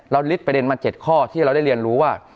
ลิดประเด็นมา๗ข้อที่เราได้เรียนรู้ว่า